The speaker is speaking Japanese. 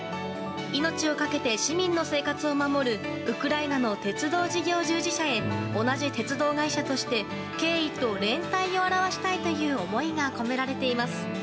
命をかけて市民の生活を守るウクライナの鉄道事業従事者へ同じ鉄道会社として敬意と連帯を表したいという思いが込められています。